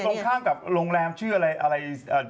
คือตรงข้างกับโรงแรมชื่ออะไรอะไรอ่า